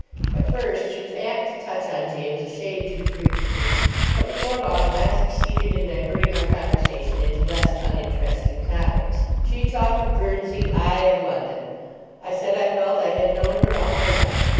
At first she was apt to touch on James a shade too frequently, but before long I succeeded in diverting our conversation into less uninteresting topics. She talked of Guernsey, I of London. I said I felt I had known her all my life.